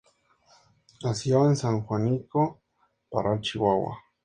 Nació en San Juanico, Parral, Chihuahua.